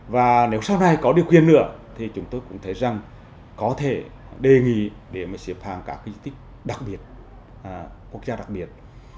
và nếu sau này có điều kiện nữa thì chúng tôi cũng thấy rằng có thể đề nghị để mà xếp hàng các di tích đặc biệt quốc gia đặc biệt